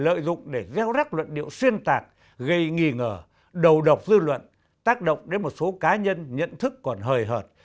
lợi dụng để gieo rắc luận điệu xuyên tạc gây nghi ngờ đầu độc dư luận tác động đến một số cá nhân nhận thức còn hời hợt